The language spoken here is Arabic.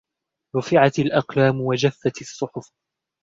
رُفِعَتِ الأَقْلاَمُ وَجَفَّتِ الصُّحُفُ